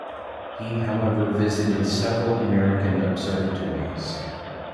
He however visited several American observatories.